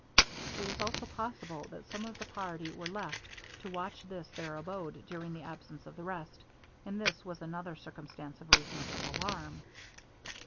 It was also possible that some of the party were left to watch this their abode during the absence of the rest, and this was another circumstance of reasonable alarm.